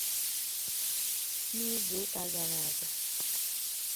N’izu ụka gara aga